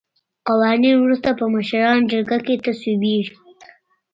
قوانین وروسته په مشرانو جرګه کې تصویبیږي.